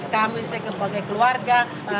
kami sebagai keluarga